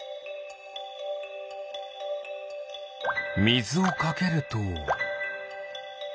みずをかけると。